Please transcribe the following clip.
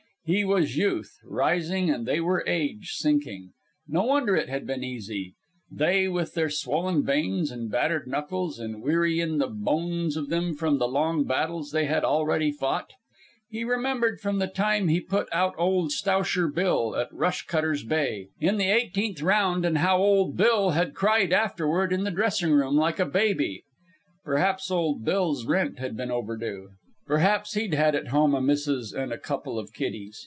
He was Youth, rising; and they were Age, sinking. No wonder it had been easy they with their swollen veins and battered knuckles and weary in the bones of them from the long battles they had already fought. He remembered the time he put out old Stowsher Bill, at Rush Cutters Bay, in the eighteenth round, and how old Bill had cried afterward in the dressing room like a baby. Perhaps old Bill's rent had been overdue. Perhaps he'd had at home a missus an' a couple of kiddies.